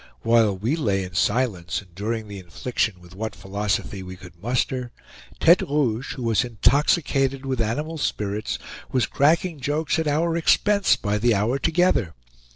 While we lay in silence, enduring the infliction with what philosophy we could muster, Tete Rouge, who was intoxicated with animal spirits, was cracking jokes at our expense by the hour together.